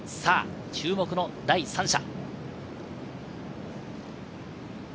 注目の第３射。